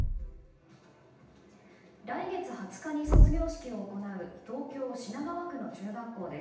来月２０日に卒業式を行う東京・品川区の中学校です。